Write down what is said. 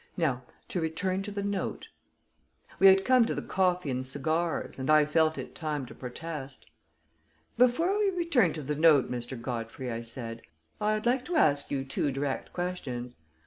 Now, to return to the note." We had come to the coffee and cigars, and I felt it time to protest. "Before we return to the note, Mr. Godfrey," I said, "I'd like to ask you two direct questions.